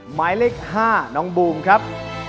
หมายเลข๕น้องบูมครับ